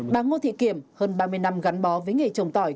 bà ngô thị kiểm hơn ba mươi năm gắn bó với nghề trồng tỏi